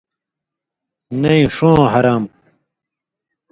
نئ ݜُون٘وؤں حرام